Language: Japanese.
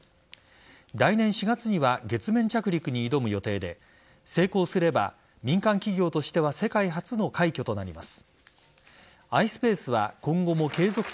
来年４月には月面着陸に挑む予定で成功すれば、民間企業としては世界初の快挙となります。